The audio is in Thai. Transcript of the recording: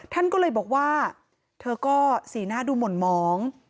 ท่านก็เลยบอกว่าเธอก็สีหน้าดูหม่นหมอง